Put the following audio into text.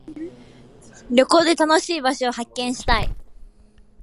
旅行で新しい場所を発見したい。